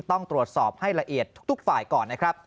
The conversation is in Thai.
ต้องตรวจสอบให้ละเอียดทุกฝ่ายก่อนนะครับ